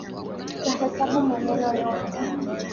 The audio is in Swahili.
Tutahesabu maneno yote